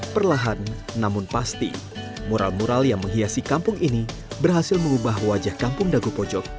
perlahan namun pasti mural mural yang menghiasi kampung ini berhasil mengubah wajah kampung dago pojok